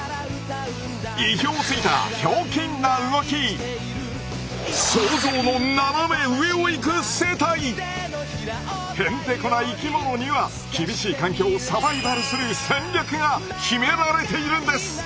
意表をついたへんてこな生きものには厳しい環境をサバイバルする戦略が秘められているんです！